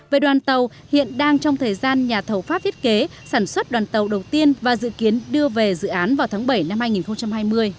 về đoàn tàu hiện đang trong thời gian nhà thầu pháp thiết kế sản xuất đoàn tàu đầu tiên và dự kiến đưa về dự án vào tháng bảy năm hai nghìn hai mươi